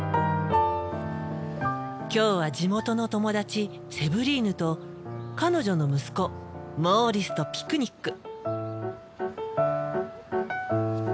今日は地元の友達セヴリーヌと彼女の息子モーリスとピクニック。